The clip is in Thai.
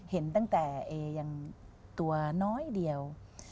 เห็นตั้งแต่เอยังตัวน้อยเดียว